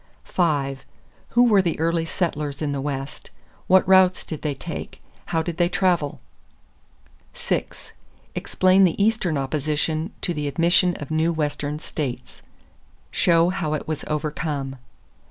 5. Who were the early settlers in the West? What routes did they take? How did they travel? 6. Explain the Eastern opposition to the admission of new Western states. Show how it was overcome.